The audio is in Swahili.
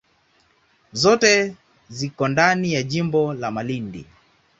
Zote ziko ndani ya jimbo la Malindi.